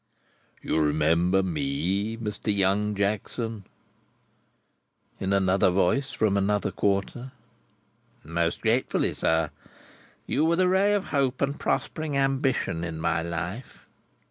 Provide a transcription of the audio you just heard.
"You remember me, Mr. Young Jackson?" In another voice from another quarter. "Most gratefully, sir. You were the ray of hope and prospering ambition in my life.